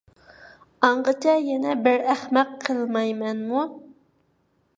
ئاڭغىچە يەنە بىر ئەخمەق قىلمايمەنمۇ!